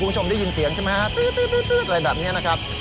คุณผู้ชมได้ยินเสียงใช่ไหมฮะตื๊ดอะไรแบบนี้นะครับ